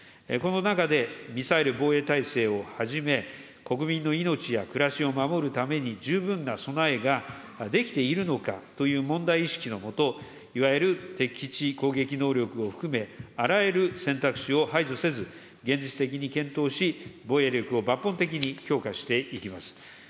この中でミサイル防衛体制をはじめ、国民の命や暮らしを守るために十分な備えができているのかという問題意識の下、いわゆる敵基地攻撃能力を含め、あらゆる選択肢を排除せず、現実的に検討し、防衛力を抜本的に強化していきます。